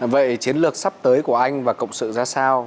vậy chiến lược sắp tới của anh và cộng sự ra sao